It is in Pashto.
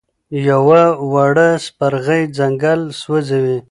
یوه وړه سپرغۍ ځنګل سوځوي.